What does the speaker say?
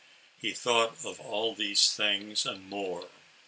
He thought of all these things and more.